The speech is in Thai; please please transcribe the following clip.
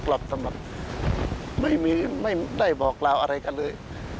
หลับสำหรับไม่ได้บอกลาวอะไรกันเลย